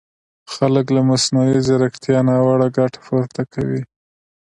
خلک له مصنوعي ځیرکیتا ناوړه ګټه پورته کوي!